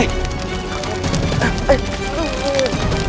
eh siapa di sana